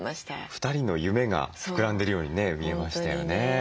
２人の夢が膨らんでるようにね見えましたよね。